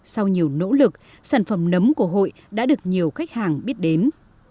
sau nhiều nỗ lực sản phẩm nấm của hội đã được nhiều khách hàng biết đến